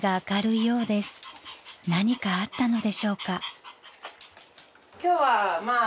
［何かあったのでしょうか？］